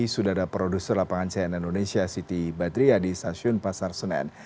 sudah ada produser lapangan cnn indonesia siti badria di stasiun pasar senen